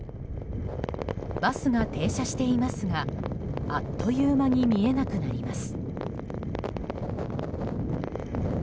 バスが停車していますがあっという間に見えなくなります。